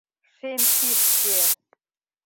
— Шем кишке!